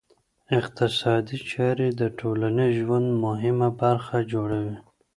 اقتصادي چاري د ټولنیز ژوند مهمه برخه جوړوي.